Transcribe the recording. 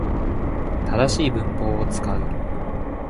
正しい文法を使う